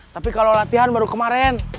tapi kalau latihan baru kemarin